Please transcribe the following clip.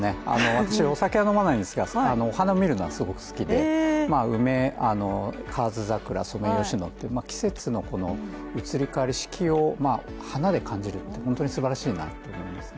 私、お酒は飲まないんですがお花を見るのはすごく好きで、梅、河津桜、ソメイヨシノという季節の移り変わり、四季を花で感じると本当に素晴らしいなと思いますね。